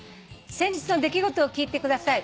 「先日の出来事を聞いてください」